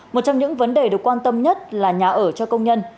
một trong những vấn đề được quan tâm nhất là nhà ở cho công nhân